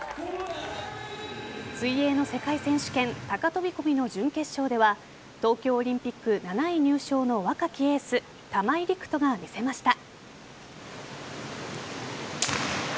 水泳の世界選手権高飛込の準決勝では東京オリンピック７位入賞の若きエース玉井陸斗が見せました。